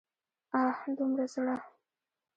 اه! دومره زړه!